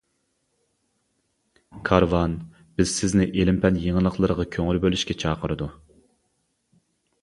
كارۋان بىز سىزنى ئىلىم-پەن يېڭىلىقلىرىغا كۆڭۈل بۆلۈشكە چاقىرىدۇ.